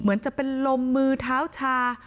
เหมือนจะเป็นลมมือเท้าชา